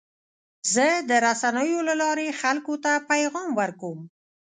زه د رسنیو له لارې خلکو ته پیغام ورکوم.